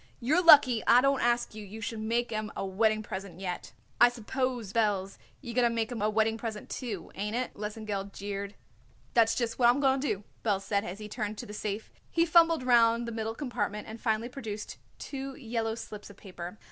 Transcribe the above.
"You're lucky I don't ask you you should make 'em a wedding present yet." "I suppose, Belz, you're going to make 'em a wedding present, too, ain't it?" Lesengeld jeered. "That's just what I'm going to do," Belz said as he turned to the safe. He fumbled round the middle compartment and finally produced two yellow slips of paper.